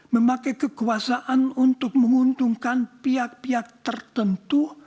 memakai kekuasaan untuk menguntungkan pihak pihak tertentu